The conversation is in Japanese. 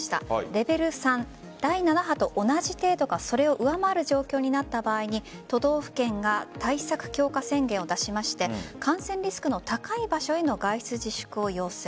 レベル３、第７波と同じ程度かそれを上回る状況になった場合に都道府県が対策強化宣言を出しまして感染リスクの高い場所への外出自粛を要請。